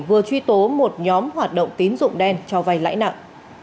vừa truy tố một nhóm hoạt động tín dụng đen cho vay lãi nặng